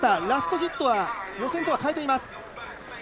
ラストヒットは予選とは変えています。